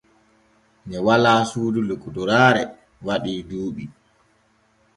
Ne walaa suudu lokotoraare waɗii duuɓi.